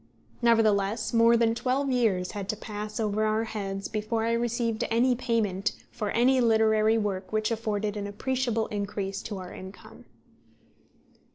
Nevertheless, more than twelve years had to pass over our heads before I received any payment for any literary work which afforded an appreciable increase to our income.